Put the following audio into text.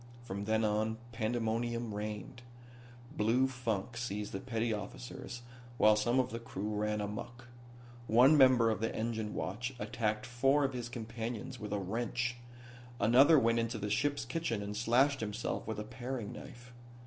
From then on pandemonium reigned. Blue funk seized the petty officers while some of the crew ran amuck. One member of the engine watch attacked four of his companions with a wrench; another went into the ship's kitchen and slashed himself with a paring knife.